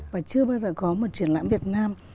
và chưa bao giờ có một triển lãm việt nam